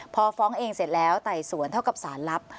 พอฟ้องเองเสร็จแล้วไต่สวนเท่ากับสารรับ